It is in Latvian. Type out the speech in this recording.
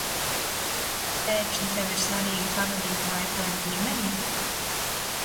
Pēkšņi tev ir svarīgi pavadīt laiku ar ģimeni?